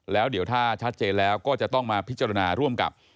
แล้วเดี๋ยวถ้าชัดเจนแล้วก็จะต้องมาพิจารณาร่วมกับ